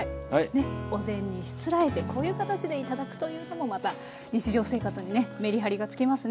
お膳にしつらえてこういう形で頂くというのもまた日常生活にねメリハリがつきますね。